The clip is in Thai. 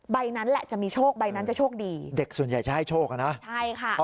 ใบนั้นแหละจะมีโชคใบนั้นจะโชคดีเด็กส่วนใหญ่จะให้โชคอ่ะนะใช่ค่ะ